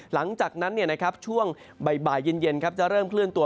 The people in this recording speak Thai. หลังจากนั้นช่วงบ่ายเย็นจะเริ่มเคลื่อนตัว